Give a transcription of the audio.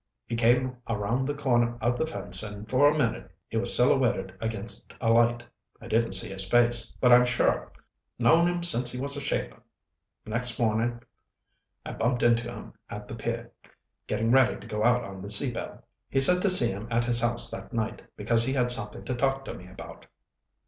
He came around the corner of the fence and for a minute he was silhouetted against a light. I didn't see his face, but I'm sure. Known him since he was a shaver. Next morning I bumped into him at the pier, getting ready to go out on the Sea Belle. He said to see him at his house that night, because he had something to talk to me about.